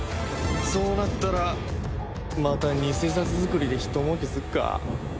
そうなったらまた偽札造りでひと儲けすっか？